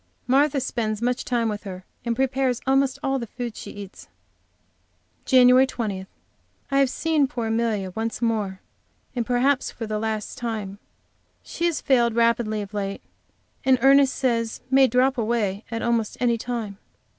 Martha spends much time with her, and prepares almost all the food she eats. JAN. 20. I have seen poor Amelia once more, and perhaps for the last time. She has failed rapidly of late, and Ernest says may drop away at almost any time.